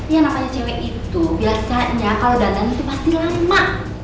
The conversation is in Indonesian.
ya namanya cewek itu biasanya kalau dandani itu pasti lama